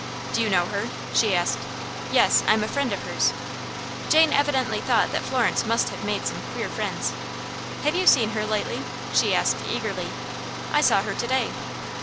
"Do you know her?" she asked. "Yes; I am a friend of hers." Jane evidently thought that Florence must have made some queer friends. "Have you seen her lately?" she asked eagerly. "I saw her to day."